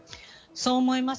そう思います。